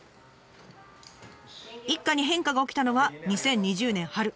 一家に変化が起きたのは２０２０年春。